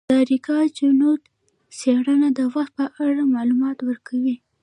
د اریکا چنووت څیړنه د وخت په اړه معلومات ورکوي.